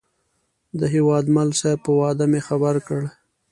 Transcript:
د هیوادمل صاحب په وعده مې خبر کړ.